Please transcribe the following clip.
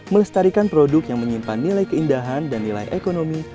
melestarikan produk yang menyimpan nilai keindahan dan nilai ekonomi